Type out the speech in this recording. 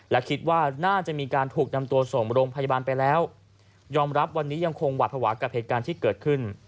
และคิดว่าน่าจะมีการถูกนำตัวส่งโรงพยาบาลไปแล้วยอมรับวันนี้ยังคงหวัดภาวะกับเหตุการณ์ที่เกิดขึ้น